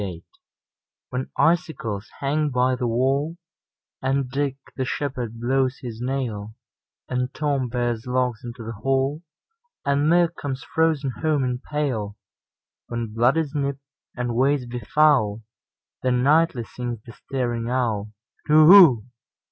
Winter WHEN icicles hang by the wallAnd Dick the shepherd blows his nail, And Tom bears logs into the hall, And milk comes frozen home in pail; When blood is nipt, and ways be foul, Then nightly sings the staring owlTu whoo!